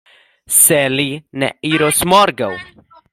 Se li ne iros morgaŭ!